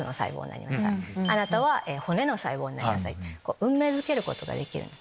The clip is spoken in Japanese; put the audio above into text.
運命づけることができるんです。